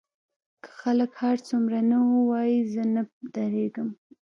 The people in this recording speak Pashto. که خلک هر څومره نه ووايي زه نه درېږم.